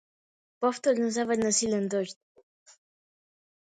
Повторно заврна силен дожд.